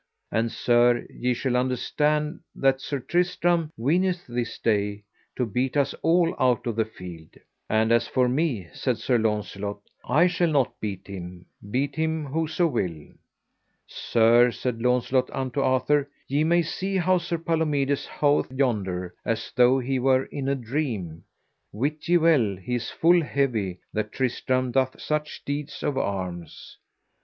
And sir, ye shall understand that Sir Tristram weeneth this day to beat us all out of the field. And as for me, said Sir Launcelot, I shall not beat him, beat him whoso will. Sir, said Launcelot unto Arthur, ye may see how Sir Palomides hoveth yonder, as though he were in a dream; wit ye well he is full heavy that Tristram doth such deeds of arms.